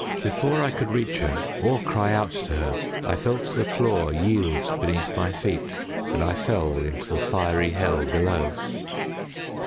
Before I could reach her, or cry out to her, I felt the floor yield beneath my feet, and I fell into the fiery hell below.